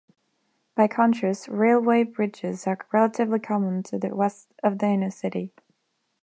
By contrast, railway bridges are relatively common to the west of the inner city.